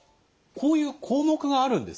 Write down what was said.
こういう項目があるんですか？